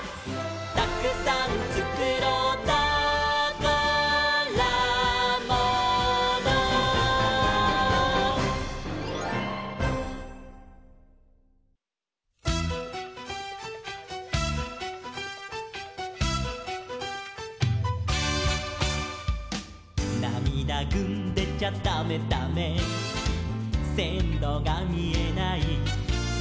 「たくさんつくろうたからもの」「なみだぐんでちゃだめだめ」「せんろがみえない」